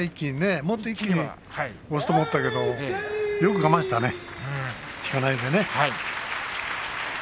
もっと一気に押すと思ったけどよく我慢したね引かないでね。